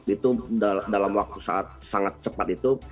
itu dalam waktu saat sangat cepat itu